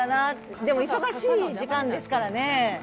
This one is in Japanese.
でも忙しい時間ですからね。